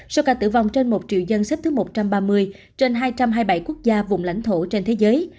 số ca tử vong trên một triệu dân xếp thứ một trăm ba mươi trên hai trăm hai mươi bảy quốc gia vùng lãnh thổ trên thế giới